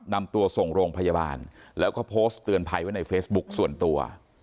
นำตัวส่งโรงพยาบาลแล้วก็โพสต์เตือนภัยไว้ในเฟซบุ๊คส่วนตัว